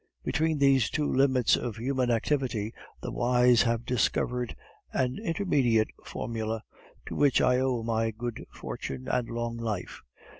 Between these two limits of human activity the wise have discovered an intermediate formula, to which I owe my good fortune and long life.